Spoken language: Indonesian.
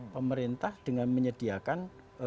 pemerintah dengan menyediakan